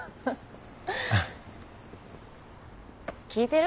聞いてる？